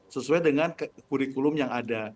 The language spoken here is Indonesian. sesuai dengan kurikulum yang ada